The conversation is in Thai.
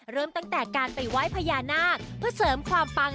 เริ่มตั้งแต่การไปไหว้พญานาคเพื่อเสริมความปัง